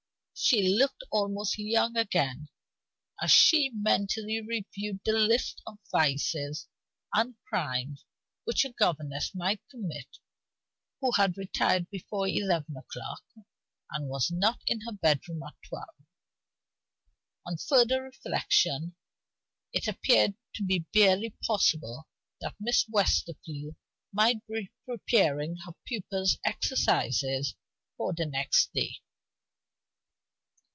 She looked almost young again as she mentally reviewed the list of vices and crimes which a governess might commit, who had retired before eleven o'clock, and was not in her bedroom at twelve. On further reflection, it appeared to be barely possible that Miss Westerfield might be preparing her pupil's exercises for the next day.